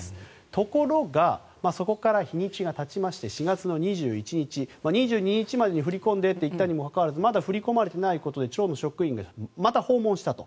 ところが、そこから日にちが経ちまして４月の２１日２２日までに振り込んでと言ったにもかかわらずまだ振り込まれていないことに町の職員がまた訪問したと。